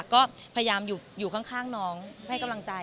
ก็พยายามอยู่ข้างน้องให้กำลังใจ